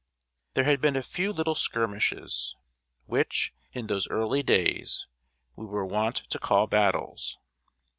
There had been a few little skirmishes, which, in those early days, we were wont to call battles.